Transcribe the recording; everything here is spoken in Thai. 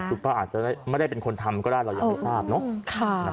คุณป้าอาจจะไม่ได้เป็นคนทำก็ได้เรายังไม่ทราบเนอะ